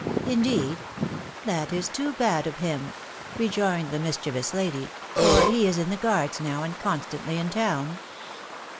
" Indeed ? That is too bad of him !" rejoined the mischievous lady, " for he is in the Guards now, and constantly in town."